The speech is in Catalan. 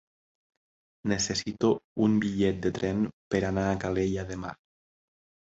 Necessito un bitllet de tren per anar a Calella demà.